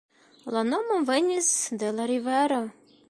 La nomo venis de la rivero.